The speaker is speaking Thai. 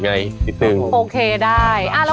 มันเป็นอะไร